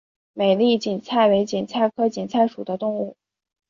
美丽堇菜为堇菜科堇菜属的植物。